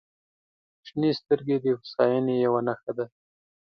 • شنې سترګې د هوساینې یوه نښه ده.